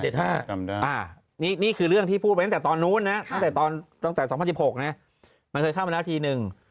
นี่คือเรื่องที่พูดไปตั้งแต่ตอนนู้นนะตั้งแต่๒๐๑๖นะมันเคยเข้ามาแล้วทีนึง